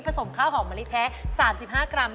สมข้าวหอมมะลิแท้๓๕กรัม